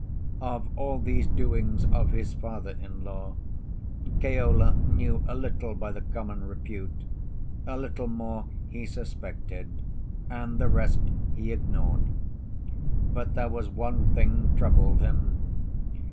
Of all these doings of his father in law, Keola knew a little by the common repute, a little more he suspected, and the rest he ignored. But there was one thing troubled him.